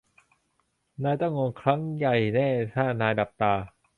นายต้องงงครั้งใหญ่แน่ถ้านายหลับตา